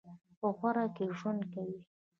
په غور کې ژوند کوي.